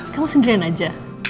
kamu sendirian aja